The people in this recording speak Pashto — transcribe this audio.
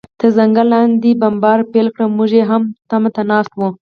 تر ځنګله لاندې بمبار پیل کړ، موږ یې هم تمه ناست و.